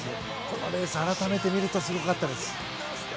このレース、改めて見るとすごかったです。